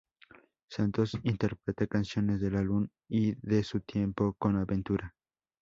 Santos interpretó canciones del álbum y de su tiempo con Aventura.